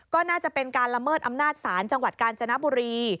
ก็น่าจะเป็นการละเมิดอำนาจศาลจังหวัดกาญจนบุรี